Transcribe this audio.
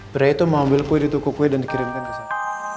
pria itu mau ambil kue di tukuk kue dan dikirimkan ke sana